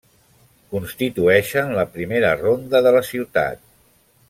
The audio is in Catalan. Constitueixen la primera ronda de la ciutat.